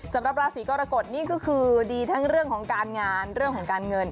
สำหรับราศีกรกฎนี่ก็คือดีทั้งเรื่องของการงานเรื่องของการเงิน